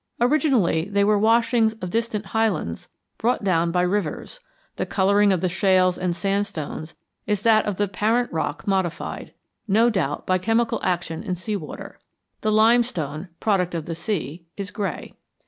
Originally they were the washings of distant highlands brought down by rivers; the coloring of the shales and sandstones is that of the parent rock modified, no doubt, by chemical action in sea water. The limestone, product of the sea, is gray.